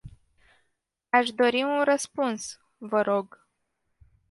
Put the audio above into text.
Aș dori un răspuns, vă rog.